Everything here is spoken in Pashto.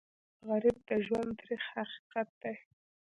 غریب د ژوند تریخ حقیقت دی